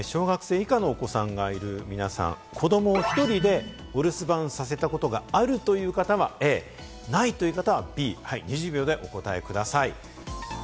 小学生以下のお子さんがいる皆さん、子ども１人でお留守番させたことがあるという方はＡ、ないという方はＢ、２０秒でお答えください。